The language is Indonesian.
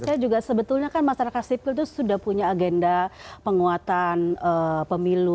iya sebetulnya masyarakat sipil itu sudah punya agenda penguatan pemilu